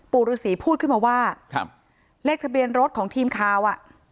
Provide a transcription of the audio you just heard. ฤษีพูดขึ้นมาว่าครับเลขทะเบียนรถของทีมข่าวอ่ะ